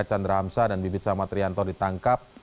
chandra hamsa dan bibit samadrianto ditangkap